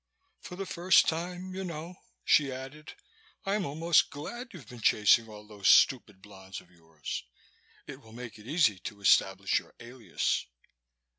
For the first time, you know," she added, "I'm almost glad you've been chasing all those stupid blondes of yours. It will make it easy to establish your alias."